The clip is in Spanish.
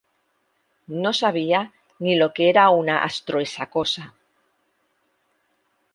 No sabía ni lo que era una astro-esa-cosa.